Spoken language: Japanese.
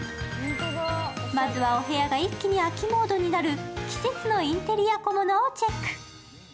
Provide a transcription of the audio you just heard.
まずはお部屋が一気に秋モードになる季節のインテリア小物をチェック。